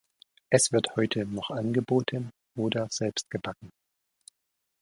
Es wird heute noch angeboten oder selbst gebacken.